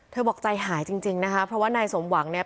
เธอบอกใจหายจริงนะครับเพราะว่านายสมหวังเนี่ย